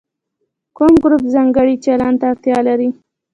کوم ګروپ ځانګړي چلند ته اړتیا لري.